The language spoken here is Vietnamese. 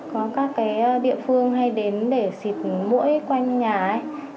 có các cái địa phương hay đến để xịt mũi quanh nhà ấy